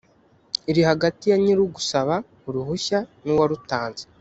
iri hagati ya nyir’ugusaba uruhushya n’uwarutanze